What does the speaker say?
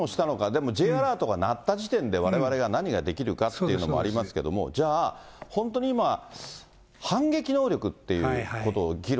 でもＪアラートが鳴った時点で、われわれが何ができるかっていうのもありますけども、じゃあ、本当に今、敵基地能力。